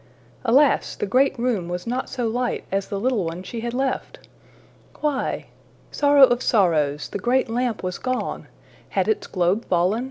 Alas! the great room was not so light as the little one she had left! Why? Sorrow of sorrows! the great lamp was gone! Had its globe fallen?